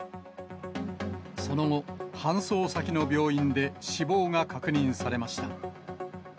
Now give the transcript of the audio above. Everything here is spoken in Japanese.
その後、搬送先の病院で死亡が確認されました。